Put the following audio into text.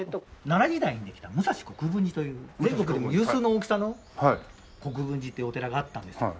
奈良時代にできた武蔵国分寺という全国でも有数の大きさの国分寺っていうお寺があったんですよ。